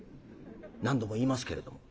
何度も言いますけれども。